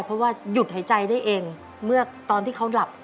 เพราะว่าหยุดหายใจได้เองเมื่อตอนที่เขาหลับ